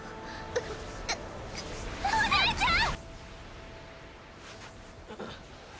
うっお姉ちゃん！